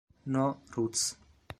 No Roots